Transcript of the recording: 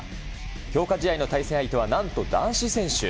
強化試合の対戦相手はなんと男子選手。